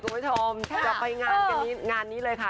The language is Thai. คุณผู้ชมจะไปงานนี้เลยค่ะ